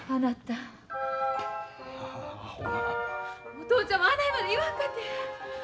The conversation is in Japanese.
お父ちゃんもあないまで言わんかて！